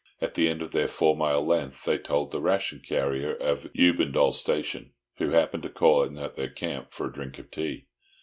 At the end of their four mile length they told the ration carrier of Eubindal station, who happened to call in at their camp for a drink of tea.